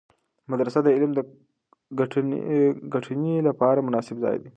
مدرسه د علم د ګټنې لپاره مناسب ځای دی.